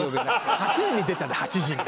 ８時に出ちゃうんだよ８時に。